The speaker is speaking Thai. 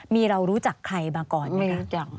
มีเรารู้จักใครมาก่อนไหมคะ